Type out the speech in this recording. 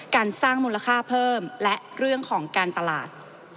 การสร้างมูลค่าเพิ่มและเรื่องของการตลาด